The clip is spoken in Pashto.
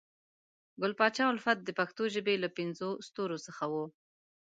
ګل پاچا الفت د پښنو ژبې له پنځو ستورو څخه وو